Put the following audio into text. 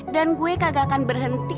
dan gue kagak akan berhenti